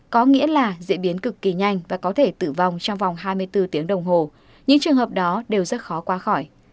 có nghĩa là diễn biến cực kỳ nhanh và có thể tử vong trong vòng hai mươi bốn tiếng đồng hồ những trường hợp đó đều rất khó qua khỏi